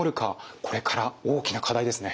これから大きな課題ですね。